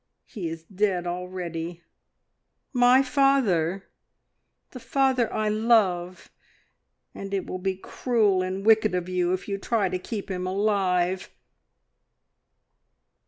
He is dead already, my father, the father I love, and it will be cruel and wicked of you if you try to keep him alive!"